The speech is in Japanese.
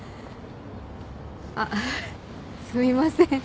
あっすみません。